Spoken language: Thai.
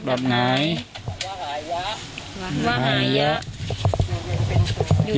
สวัสดีครับ